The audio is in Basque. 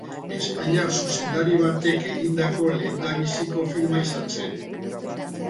Espainiar zuzendari batek egindako lehendabiziko filma izan zen.